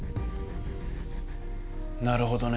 なるほどね。